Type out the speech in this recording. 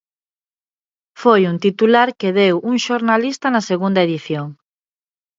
Foi un titular que deu un xornalista na segunda edición.